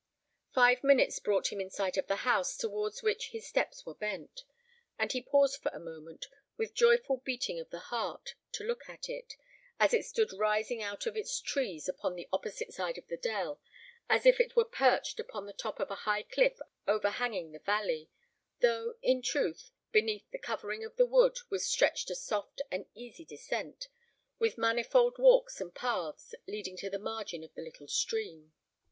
Five minutes brought him in sight of the house towards which his steps were bent; and he paused for a moment, with joyful beating of the heart, to look at it, as it stood rising out of its trees upon the opposite side of the dell, as if it were perched upon the top of a high cliff overhanging the valley; though, in truth, beneath the covering of the wood was stretched a soft and easy descent, with manifold walks and paths leading to the margin of the little stream.